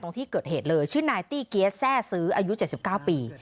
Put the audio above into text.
ที่เกิดเหตุเลยชื่อนายตี้เกี๊ยดแซ่ซื้ออายุ๗๙ปี